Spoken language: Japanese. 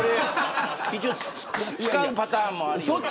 一応、使うパターンもあるよと。